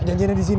janjiannya di sini